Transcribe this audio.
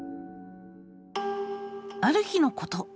ある日のこと。